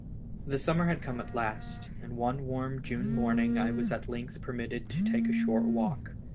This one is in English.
The summer had come at last, and one warm June morning I was at length permitted to take a short walk.